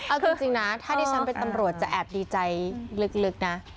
เอาจริงนะถ้าดิฉันเป็นตำรวจจะแอบดีใจลึกนะ